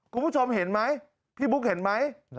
คุณผู้ชมเห็นไหมพี่บุ๊กเห็นไหม